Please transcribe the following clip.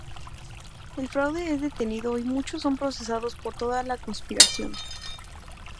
El fraude es detenido y muchos son procesados por toda la conspiración.